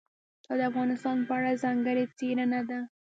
دا د افغانستان په اړه ځانګړې څېړنه ده.